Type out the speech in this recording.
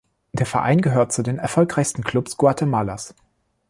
Der Verein gehört zu den erfolgreichsten Klubs Guatemalas.